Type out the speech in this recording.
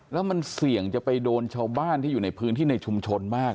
แล้วมันเสี่ยงจะไปโดนชาวบ้านที่อยู่ในพื้นที่ในชุมชนมาก